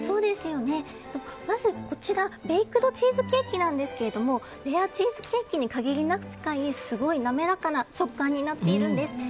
まず、こちらベイクドチーズケーキなんですがレアチーズケーキに限りなく近いすごい滑らかな食感になっているんです。